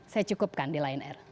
saya cukupkan di lion air